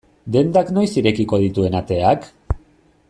Dendak noiz irekiko dituen ateak?